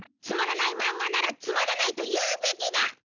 つまらない漫画ならつまらないと言うべきだ！